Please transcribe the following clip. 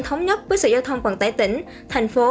thống nhất với sở giao thông vận tải tỉnh thành phố